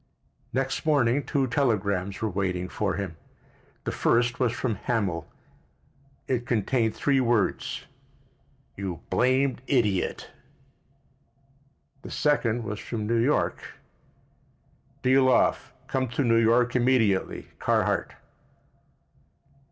Next morning two telegrams were waiting for him. The first was from Hamil. It contained three words: "You blamed idiot!" The second was from New York: "Deal off come to New York immediately Carhart."